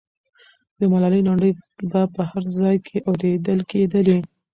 د ملالۍ لنډۍ به په هر ځای کې اورېدلې کېدلې.